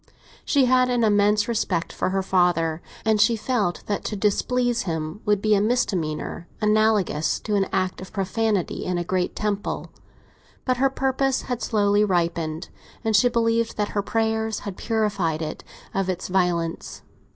She had an immense respect for her father, and she felt that to displease him would be a misdemeanour analogous to an act of profanity in a great temple; but her purpose had slowly ripened, and she believed that her prayers had purified it of its violence.